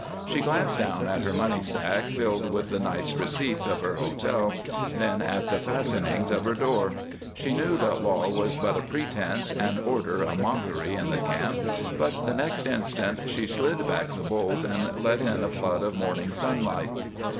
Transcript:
She glanced down at her money sack filled with the night's receipts of her hotel, then at the fastenings of her door. She knew that law was but a pretense and order a mockery in the camp, but the next instant she slid back the bolt and let in a flood of morning sunlight.